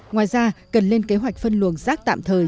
ngoài ra cần lên kế hoạch phân luồng rác tạm thời